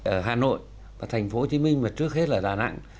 ở hà nội và thành phố hồ chí minh và trước hết là đà nẵng